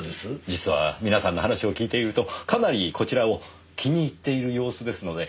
実は皆さんの話を聞いているとかなりこちらを気に入っている様子ですので。